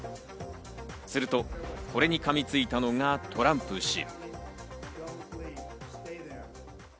すると、これにかみついたのがトランプ氏。